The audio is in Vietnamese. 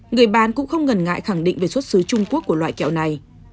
người bán cũng không ngần ngại khẳng định về xuất xứ trung quốc của loại kẹo này